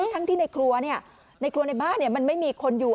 ทั้งที่ในครัวในครัวในบ้านมันไม่มีคนอยู่